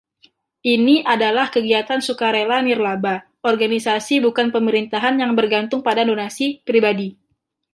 Ini adalah kegiatan sukarela nirlaba, organisasi bukan pemerintahan yang bergantung pada donasi pribadi.